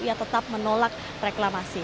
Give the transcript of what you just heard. ia tetap menolak reklamasi